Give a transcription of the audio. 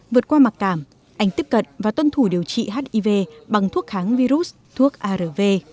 vượt qua mặc cảm anh tiếp cận và tuân thủ điều trị hiv bằng thuốc kháng virus thuốc arv